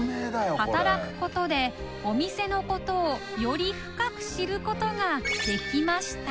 働くことでお店のことをより深く知ることができました